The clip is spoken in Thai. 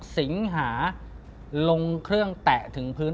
สิงหาลงเครื่องแตะถึงพื้น